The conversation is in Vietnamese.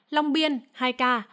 long biên hai ca